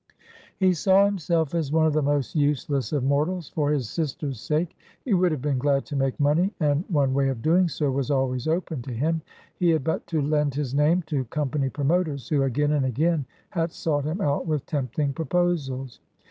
He saw himself as one of the most useless of mortals. For his sisters' sake he would have been glad to make money, and one way of doing so was always open to him; he had but to lend his name to company promoters, who again and again had sought him out with tempting proposals.